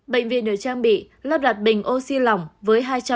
bệnh viện được trang bị lắp đặt bình oxy lỏng với hai trăm linh